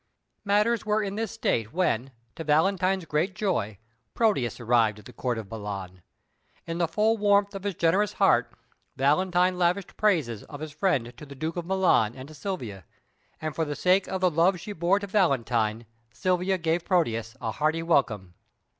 Matters were in this state when, to Valentine's great joy, Proteus arrived at the Court of Milan. In the full warmth of his generous heart, Valentine lavished praises of his friend to the Duke of Milan and to Silvia, and for the sake of the love she bore to Valentine Silvia gave Proteus a hearty welcome.